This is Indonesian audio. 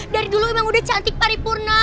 dari dulu emang udah cantik paripurna